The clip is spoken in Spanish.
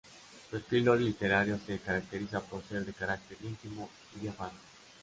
Su estilo literario se caracteriza por ser de carácter íntimo y diáfano.